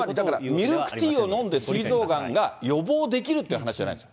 ミルクティーを飲んですい臓がんが予防できるっていう話じゃないんです。